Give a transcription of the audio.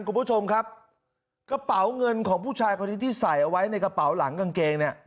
คุณผู้ชมครับกระเป๋าเงินของผู้ชายคนนี้ที่ใส่เอาไว้ในกระเป๋าหลังกางเกงเนี่ย